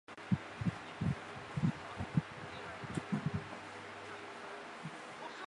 睫毛粗叶木为茜草科粗叶木属下的一个变种。